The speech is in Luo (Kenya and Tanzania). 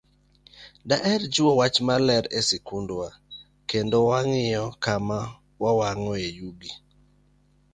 Daher jiwo wach rito ler e skundwa, kendo wang'iyo kama wawang'oe yugi.